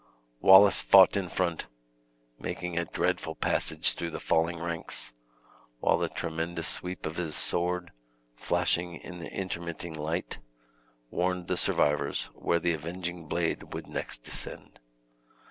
Wallace fought in front, making a dreadful passage through the falling ranks, while the tremendous sweep of his sword, flashing in the intermitting light, warned the survivors where the avenging blade would next descend.